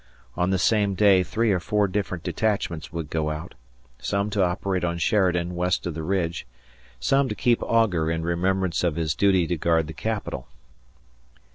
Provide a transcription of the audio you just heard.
On the same day three or four different detachments would go out; some to operate on Sheridan west of the ridge, some to keep Augur in remembrance of his duty to guard the Capital.